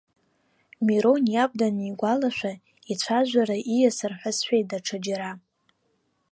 Мирон иаб данигәалашәа, ицәажәара ииасыр ҳәа сшәеит даҽаџьара.